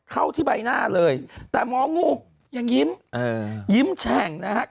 เข้าที่ใบหน้าเลยแต่หมองูยังยิ้มยิ้มแฉ่งนะครับ